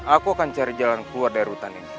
aku akan cari jalan keluar dari rutan ini